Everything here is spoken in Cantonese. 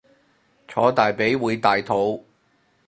坐大髀會大肚